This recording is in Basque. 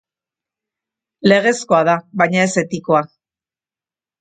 Legezkoa da, baina ez etikoa.